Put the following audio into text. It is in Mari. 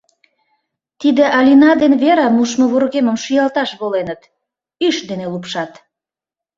Тиде Алина ден Вера мушмо вургемым шӱялташ воленыт, ӱш дене лупшат.